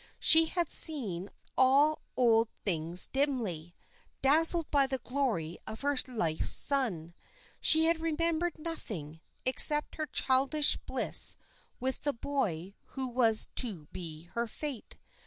She had seen all old things dimly dazzled by the glory of her life's sun. She had remembered nothing, except her childish bliss with the boy who was to be her fate.